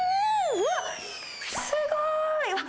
うわっ、すごーい！